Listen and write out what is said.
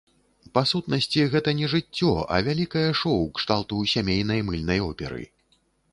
Па сутнасці, гэта не жыццё, а вялікае шоў кшталту сямейнай мыльнай оперы.